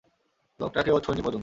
লোকটাকে ও ছোয়নি পর্যন্ত!